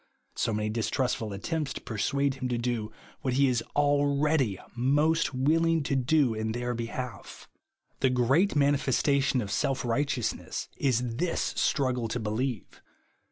— SO many distrustful attempts to p ersuade him to do what he is already most willing to do in their behalf. The great manifestation of self righteous ness, is this struggle to believe.